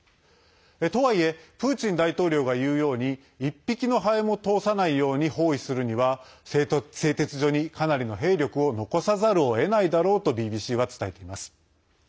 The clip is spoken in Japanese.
とはいえ、プーチン大統領が言うように１匹のハエも通さないように包囲するには製鉄所に、かなりの兵力を残さざるをえないだろうとＢＢＣは伝えています。